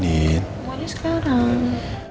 mau aja sekarang